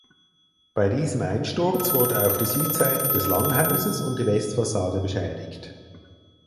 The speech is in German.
Bei diesem Einsturz wurde auch die Südseite des Langhauses und die Westfassade beschädigt.